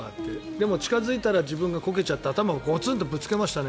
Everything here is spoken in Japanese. でも、近付いたら自分がこけちゃって頭をゴツンとぶつけましたね。